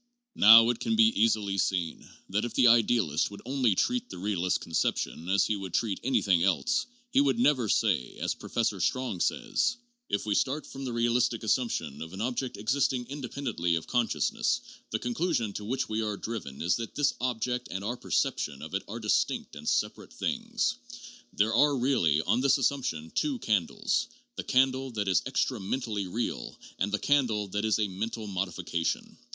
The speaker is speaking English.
Now, it can easily be seen that if the idealist would only treat the realist's conception as he would treat anything else, he would never say, as Professor Strong says: "If we start from the realistic assumption of an object existing independently of consciousness, the conclusion to which we are driven is that this object and our per ception of it are distinct and separate things. There are really, on this assumption, two candles: the candle that is extramentally real, and the candle that is a mental modification.